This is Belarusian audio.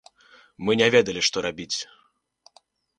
Мы не ведалі што рабіць.